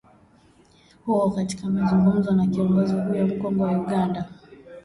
huo katika mazungumzo na kiongozi huyo mkongwe wa Uganda